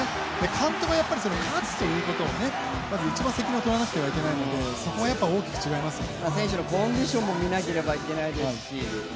監督は勝つということを一番先に考えなければいけないのでそこはやっぱり大きく違いますね。